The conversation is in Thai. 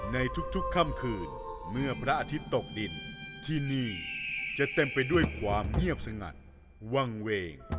ในทุกค่ำคืนเมื่อพระอาทิตย์ตกดินที่นี่จะเต็มไปด้วยความเงียบสงัดวังเวง